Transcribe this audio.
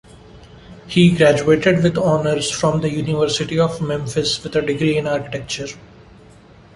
He graduated with honors from the University of Memphis with a degree in Architecture.